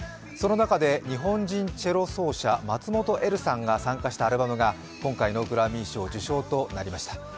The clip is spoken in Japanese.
その中で、日本人チェロ奏者松本エルさんが参加したアルバムが今回のグラミー賞受賞となりました。